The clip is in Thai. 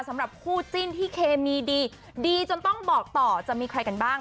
สำหรับคู่จิ้นที่เคมีดีดีจนต้องบอกต่อจะมีใครกันบ้าง